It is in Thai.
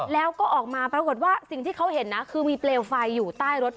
แล้วก็ออกมาปรากฏว่าสิ่งที่เขาเห็นนะคือมีเปลวไฟอยู่ใต้รถ